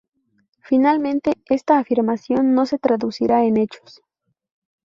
Finalmente esta afirmación no se traduciría en hechos.